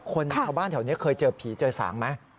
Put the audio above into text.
ชาวบ้านแถวนี้เคยเจอผีเจอสางไหม